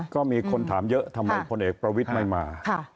ก็มีคนถามเยอะทำไมพลเอกประวิทย์ไม่มา